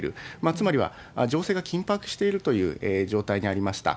つまりは、情勢が緊迫しているという状態にありました。